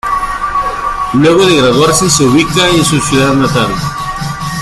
Luego de graduarse, se ubica en su ciudad natal.